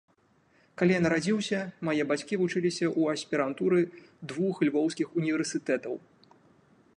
Калі я нарадзіўся, мае бацькі вучыліся ў аспірантуры двух львоўскіх універсітэтаў.